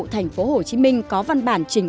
thành phố hồ chí minh có văn bản trình